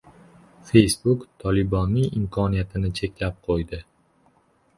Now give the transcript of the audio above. Facebook "Tolibon"ning imkoniyatini cheklab qo‘ydi